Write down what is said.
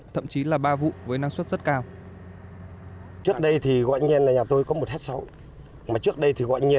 thậm chí là ba vụ với năng suất rất cao